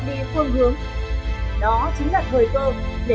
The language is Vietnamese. đứng ngoài chính trị